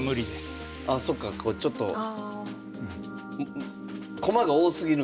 例えばあそっかこうちょっと駒が多すぎるんですね。